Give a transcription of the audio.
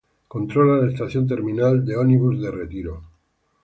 Controla la Estación Terminal de Ómnibus de Retiro.